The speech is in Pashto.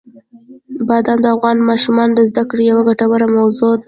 بادام د افغان ماشومانو د زده کړې یوه ګټوره موضوع ده.